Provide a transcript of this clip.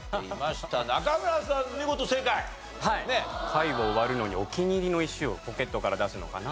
貝を割るのにお気に入りの石をポケットから出すのかな。